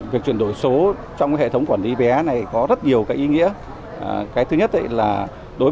việc chuyển đổi số trong hệ thống quản lý vé này có rất nhiều cái ý nghĩa cái thứ nhất là đối với